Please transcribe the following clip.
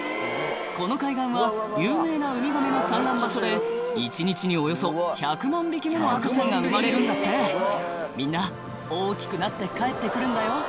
この海岸は有名なウミガメの産卵場所で一日におよそ１００万匹もの赤ちゃんが生まれるんだってみんな大きくなって帰って来るんだよ